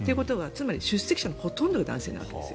つまり出席者のほとんどが男性なんです。